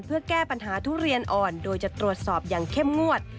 เพื่อแก้ปัญหาทุเรียนอ่อนโดยจะตรวจสอบอย่างเข้มงวด